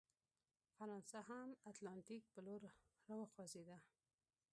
فرانسه هم اتلانتیک په لور راوخوځېده.